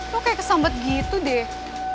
lo kayak kesambet gitu deh